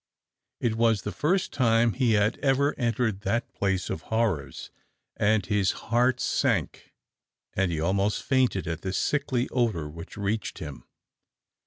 It was the first time he had ever entered that place of horrors, and his heart sank, and he almost fainted at the sickly odour which reached him.